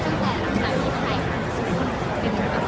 ช่องความหล่อของพี่ต้องการอันนี้นะครับ